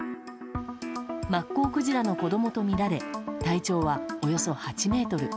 マッコウクジラの子供とみられ体長はおよそ８ｍ。